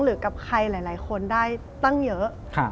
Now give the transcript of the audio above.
หรือกับใครหลายคนได้ตั้งเยอะ